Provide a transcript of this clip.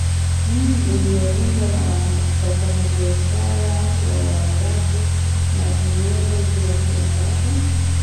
Miji Iliyoundwa na wafanyabiashara wa waarabu na viungo vya Kiarabu